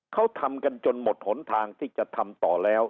เขาทำกันจนหมดหนทางที่จะทำต่อแล้ว